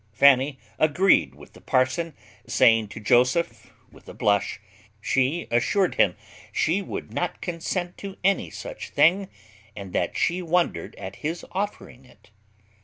Fanny agreed with the parson, saying to Joseph, with a blush, "She assured him she would not consent to any such thing, and that she wondered at his offering it."